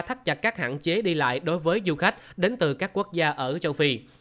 thắt chặt các hạn chế đi lại đối với du khách đến từ các quốc gia ở châu phi